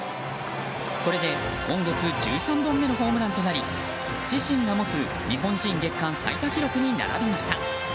これで今月１３本目のホームランとなり自身が持つ日本人月間最多記録に並びました。